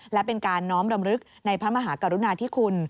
และเป็นการน้อมรำลึกในพระมหากรุณาธิคุณ